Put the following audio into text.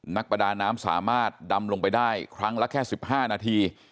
นักประดาน้ำสามารถดำลงไปได้ครั้งละแค่๑๕นาที